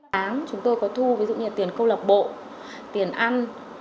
tháng chúng tôi có thu ví dụ như tiền câu lạc bộ tiền ăn